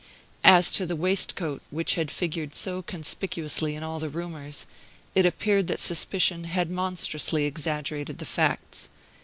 As to the waistcoat which had figured so conspicuously in all the rumors, it appeared that suspicion had monstrously exaggerated the facts.